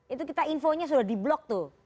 itu kita infonya sudah di blok tuh